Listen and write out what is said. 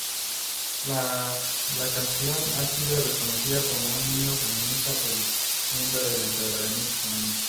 La canción ha sido reconocida como un himno feminista, promoviendo el empoderamiento femenino.